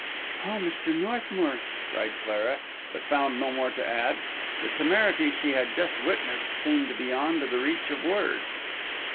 "Oh, Mr. Northmour!" cried Clara; but found no more to add; the temerity she had just witnessed seeming beyond the reach of words.